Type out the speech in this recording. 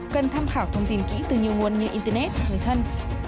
cần tham khảo thông tin kỹ từ nhiều nguồn như internet người thân